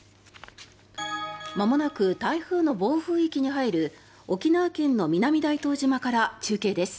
まもなく台風の暴風域に入る沖縄県の南大東島から中継です。